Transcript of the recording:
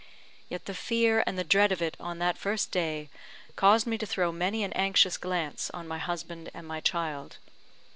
Yet the fear and the dread of it on that first day caused me to throw many an anxious glance on my husband and my child.